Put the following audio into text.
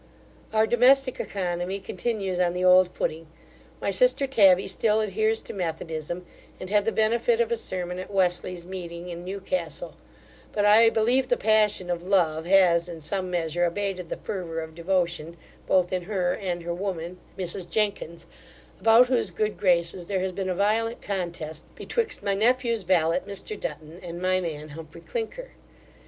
Our domestic oeconomy continues on the old footing. My sister Tabby still adheres to methodism, and had the benefit of a sermon at Wesley's meeting in Newcastle; but I believe the Passion of love has in some measure abated the fervour of devotion both in her and her woman, Mrs Jenkins, about whose good graces there has been a violent contest betwixt my nephew's valet, Mr Dutton, and my man, Humphry Clinker.